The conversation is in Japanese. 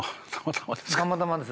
たまたまです。